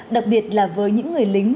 đặc biệt là với những người lính